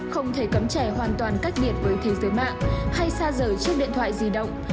không thể cấm trẻ hoàn toàn cách biệt với thế giới mạng hay xa rời chiếc điện thoại di động